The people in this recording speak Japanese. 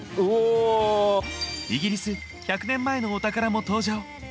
イギリス１００年前のお宝も登場。